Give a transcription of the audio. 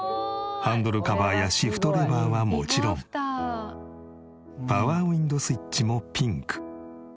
ハンドルカバーやシフトレバーはもちろんパワーウィンドウスイッチもピンク。